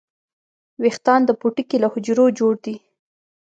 ویښتان د پوټکي له حجرو جوړ دي